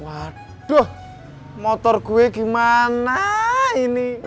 waduh motor gue gimana ini